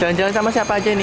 jalan jalan sama siapa aja ini